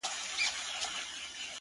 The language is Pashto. او که يې اخلې نو آدم اوحوا ولي دوه وه”